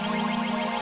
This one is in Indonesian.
aku sedang meries